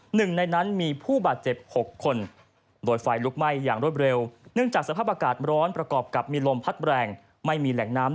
หนึ่งในนั้นมีผู้บาดเจ็บ๖คน